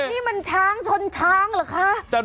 นี่มันช้างชนช้างเหรอคะ